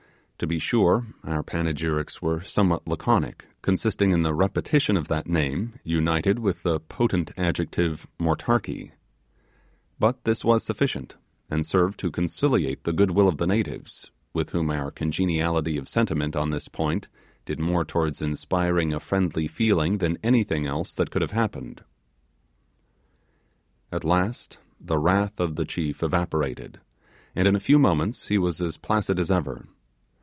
To be sure our panegyrics were somewhat laconic, consisting in the repetition of that name, united with the potent adjective 'motarkee'. But this was sufficient, and served to conciliate the good will of the natives, with whom our congeniality of sentiment on this point did more towards inspiring a friendly feeling than anything else that could have happened. At last the wrath of the chief evaporated, and in a few moments he was as placid as ever.